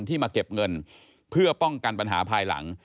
มาเก็บเงินเพื่อป้องกันปัญหาภายหลัง